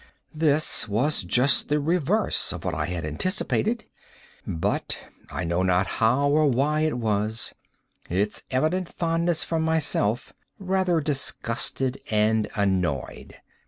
This was just the reverse of what I had anticipated; but—I know not how or why it was—its evident fondness for myself rather disgusted and annoyed.